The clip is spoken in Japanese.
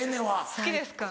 好きですか？